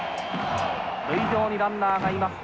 塁上にランナーがいます。